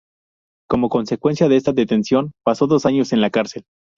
Como consecuencia de esta detención pasó dos años en la cárcel.